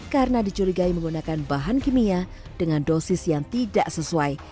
karena dicurigai menggunakan bahan kimia dengan dosis yang tidak sesuai